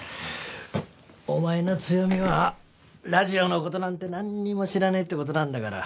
お前の強みはラジオの事なんてなんにも知らねえって事なんだから。